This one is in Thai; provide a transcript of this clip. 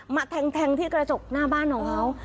แทงที่กระจกหน้าบ้านของเขา